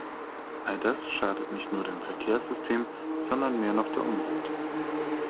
All das schadet nicht nur dem Verkehrssystem, sondern mehr noch der Umwelt.